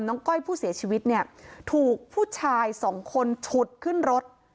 ก้อยผู้เสียชีวิตเนี่ยถูกผู้ชายสองคนฉุดขึ้นรถ